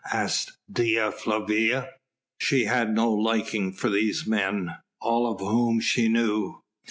asked Dea Flavia. She had no liking for these men, all of whom she knew.